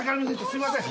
すいません。